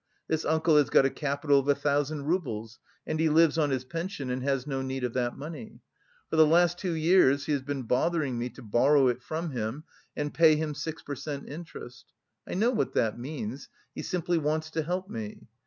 This uncle has got a capital of a thousand roubles, and he lives on his pension and has no need of that money. For the last two years he has been bothering me to borrow it from him and pay him six per cent. interest. I know what that means; he simply wants to help me.